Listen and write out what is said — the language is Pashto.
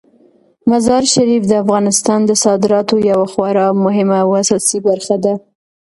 مزارشریف د افغانستان د صادراتو یوه خورا مهمه او اساسي برخه ده.